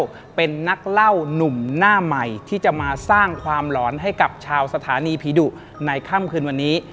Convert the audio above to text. เป็นนักเล่านุ่มหน้าใหม่ที่จะมาสร้างความหลอนให้กับชาวสถานีผีดุในค่ำคืนวันนี้